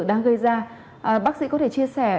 đang gây ra bác sĩ có thể chia sẻ